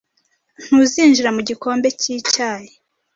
Ntuzinjira mu gikombe cy'icyayi?